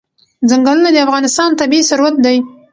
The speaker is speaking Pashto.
ځنګلونه د افغانستان طبعي ثروت دی.